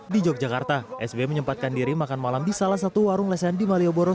di yogyakarta sbi menyempatkan diri makan malam di salah satu warung lesen di malioboro